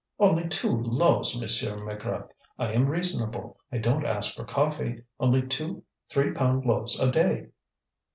"Only two loaves, Monsieur Maigrat. I am reasonable, I don't ask for coffee. Only two three pound loaves a day."